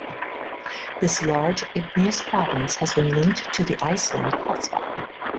This large igneous province has been linked to the Iceland hotspot.